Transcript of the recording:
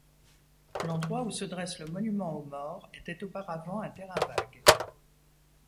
L'endroit où se dresse le monument aux morts était auparavant un terrain vague.